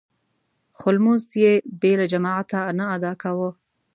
خو لمونځ يې بې له جماعته نه ادا کاوه.